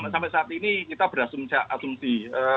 sampai saat ini kita berasumsi